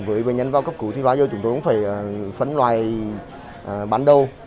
với bệnh nhân vào cấp cứu thì bao giờ chúng tôi cũng phải phấn loài bắn đầu